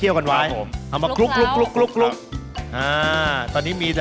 เอามาคลุก